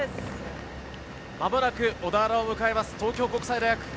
間もなく小田原を迎える東京国際大学。